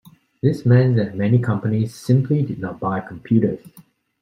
This meant that many companies simply did not buy computers.